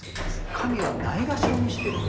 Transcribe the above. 神をないがしろにしてるって。